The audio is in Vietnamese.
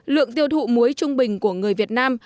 lượng tiêu thụ muối trung bình của người việt nam